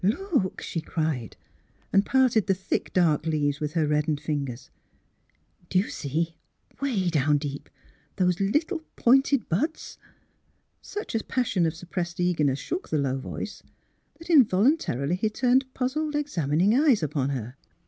*' Look !'' she cried and parted the thick dark leaves with her reddened fingers. *^ Do you see, way do\\Ti deep, those little pointed buds? " Such a passion of suppressed eagerness shook the low voice, that involuntarily he turned puzzled, examining eyes upon her.